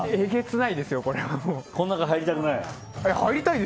この中には入りたくない？